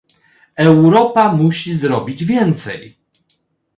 Europa musi zrobić więcej